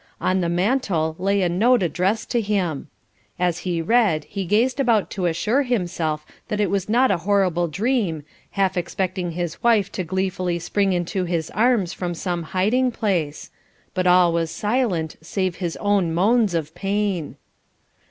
On the mantel lay a note addressed to him. As he read he gazed about to assure himself that it was not a horrible dream, half expecting his wife to gleefully spring into his arms from some hiding place; but all was silent save his own moans of pain.